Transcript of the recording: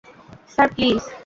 Sir, please.